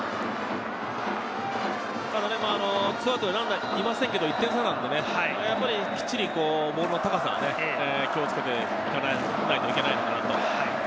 ２アウトでランナーがいませんけれど、１点差なので、きっちりボールの高さは気をつけていかないといけないと。